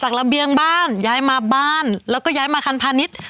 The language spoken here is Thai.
ระเบียงบ้านย้ายมาบ้านแล้วก็ย้ายมาคันพาณิชย์